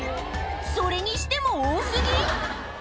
それにしても多過ぎ！